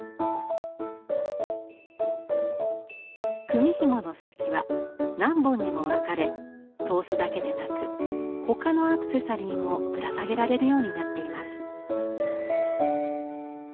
組みひもの先は何本にも分かれ刀子だけでなく他のアクセサリーもぶら下げられるようになっています。